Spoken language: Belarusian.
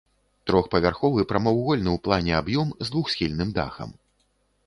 Трохпавярховы прамавугольны ў плане аб'ём з двухсхільным дахам.